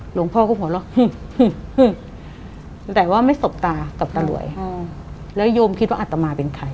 หลวงพ่อก็หัวเราะแต่ว่าไม่สบตากับตารวยแล้วโยมคิดว่าอัตมาเป็นใคร